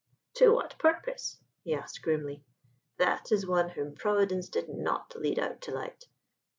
"To what purpose?" he asked grimly. "That is one whom Providence did not lead out to light.